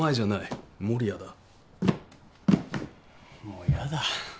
もう嫌だ。